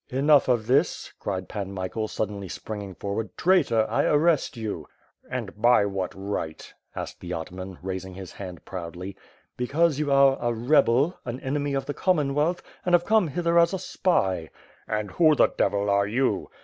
"Enough of this!" cried Pan Michael, si.ddenly springing forward. "Traitor, I arrest you!'' "And, by what right?'* asked the ataman, raising his head proudly. "Because you are a rebel, an enemy of the Commonwealth, and have come hither as a spy." "And who the devil are you?"